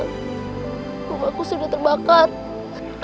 rumahku sudah terbakar